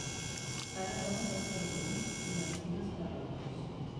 Cada cosa pel seu temps i les figues per l'agost.